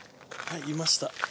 はいいました。